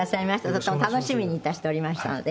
とても楽しみに致しておりましたので。